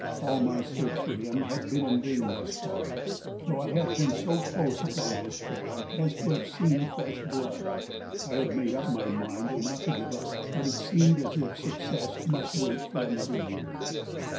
All my search for him had been in vain thus far, though I had been so close upon his trail as to have seen fresh blood. I had made up my mind not to give up, but it seemed as if success must wait for another year.